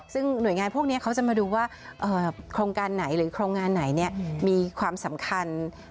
ซึ่งหน่วยงานพวกนี้เขาจะมาดูว่าโครงการไหนหรือโครงงานไหนมีความสำคัญ